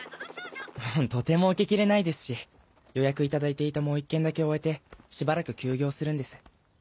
とても請けきれないですし予約頂いていたもう１件だけ終えてしばらく休業するんです。